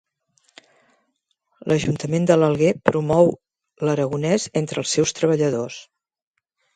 L'Ajuntament de l'Alguer promou l'aragonès entre els seus treballadors.